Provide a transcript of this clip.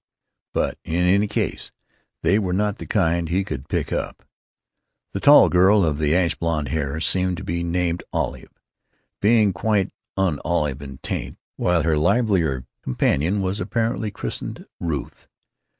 But in any case they were not of the kind he could pick up. The tall girl of the ash blond hair seemed to be named Olive, being quite unolive in tint, while her livelier companion was apparently christened Ruth.